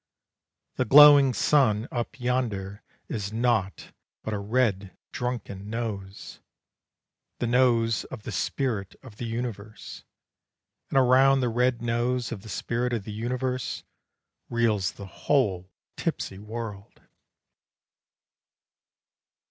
The glowing sun up yonder Is naught but a red drunken nose. The nose of the spirit of the universe, And around the red nose of the spirit of the universe Reels the whole tipsy world.